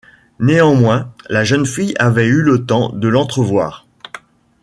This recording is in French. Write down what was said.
Néanmoins la jeune fille avait eu le temps de l’entrevoir.